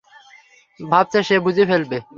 ভাবছে সে বুঝে ফেলবে।